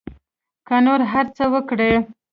که نور هر څه وکري.